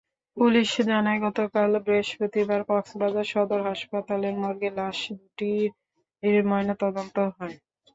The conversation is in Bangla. পুলিশ জানায়, গতকাল বৃহস্পতিবার কক্সবাজার সদর হাসপাতালের মর্গে লাশ দুটির ময়নাতদন্ত হয়।